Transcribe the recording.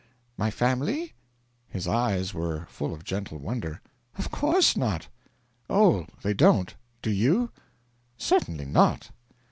My family?' His eyes were full of gentle wonder. 'Of course not.' 'Oh, they don't! Do you?' 'Certainly not.'